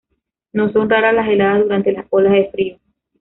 No son raras las heladas durante las olas de frío.